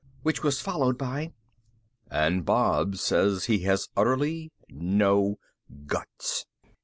_ Which was followed by: _... and Bob says he has utterly no guts.